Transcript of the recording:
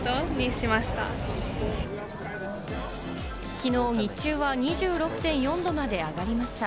きのう日中は２６．４度まで上がりました。